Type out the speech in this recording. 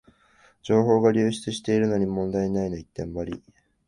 情報が流出してるのに問題ないの一点張り